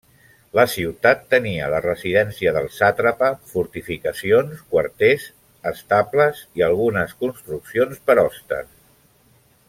La ciutat tenia la residència del sàtrapa, fortificacions, quarters, estables i algunes construccions per hostes.